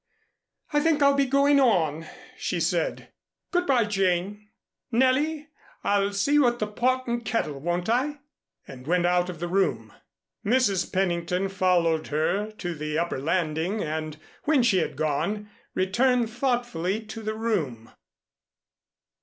"I think I'll be going on," she said. "Good by, Jane. Nellie, I'll see you at the 'Pot and Kettle,' won't I?" and went out of the room. Mrs. Pennington followed her to the upper landing and when she had gone, returned thoughtfully to the room.